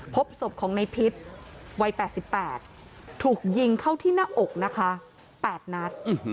พบศพของในพิษวัย๘๘ถูกยิงเข้าที่หน้าอกนะคะ๘นัด